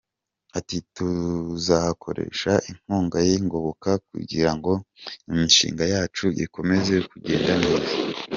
Ati “ Tuzakoresha inkunga y’ingoboka kugira ngo imishinga yacu ikomeze kugenda neza.